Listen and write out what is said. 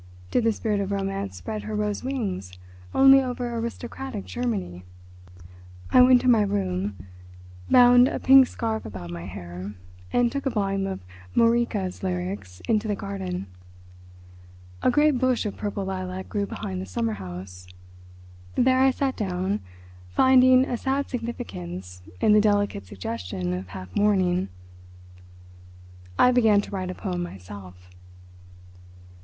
Did the spirit of romance spread her rose wings only over aristocratic Germany? I went to my room, bound a pink scarf about my hair, and took a volume of Mörike's lyrics into the garden. A great bush of purple lilac grew behind the summer house. There I sat down, finding a sad significance in the delicate suggestion of half mourning. I began to write a poem myself.